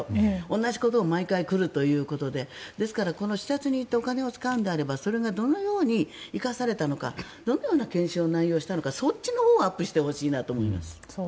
同じことを毎回来るということでですからこの視察に行ってお金を使うのであればそれがどのように生かされたのかどのような研修の内容をしたのかそっちのほうをアップしてほしいなと思います。